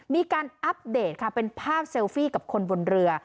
อัปเดตค่ะเป็นภาพเซลฟี่กับคนบนเรือ